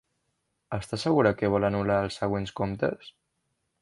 Esta segura que vol anul·lar els següents comptes?